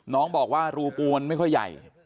น้องบอกว่ารูปมันไม่ค่อยใหญ่